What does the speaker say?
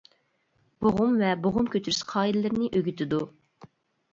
بوغۇم ۋە بوغۇم كۆچۈرۈش قائىدىلىرىنى ئۆگىتىدۇ.